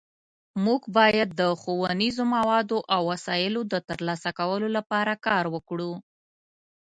مونږ باید د ښوونیزو موادو او وسایلو د ترلاسه کولو لپاره کار وکړو